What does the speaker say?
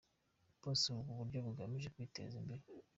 Bakoze ubu buryo bagamije kwiteza imbere.